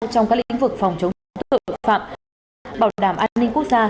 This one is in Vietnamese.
trong các lĩnh vực phòng chống chống thuật phạm bảo đảm an ninh quốc gia